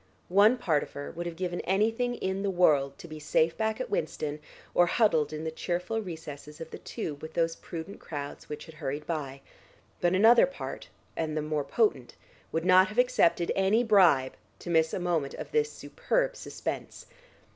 One part of her would have given anything in the world to be safe back at Winston, or huddled in the cheerful recesses of the tube with those prudent crowds which had hurried by, but another part, and that the more potent, would not have accepted any bribe to miss a moment of this superb suspense.